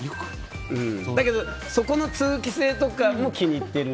だけど、そこの通気性とかも気に入ってる。